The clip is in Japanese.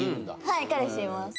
はい彼氏います。